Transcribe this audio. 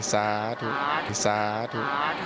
ซาทุ